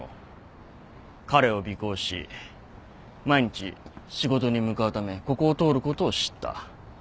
彼を尾行し毎日仕事に向かうためここを通ることを知った。